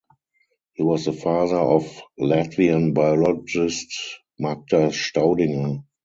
He was the father of Latvian biologist Magda Staudinger.